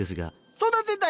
育てたい！